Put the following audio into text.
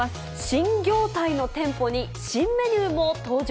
新業態の店舗に新メニューも登場。